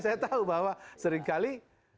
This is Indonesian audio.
saya tahu bahwa seringkali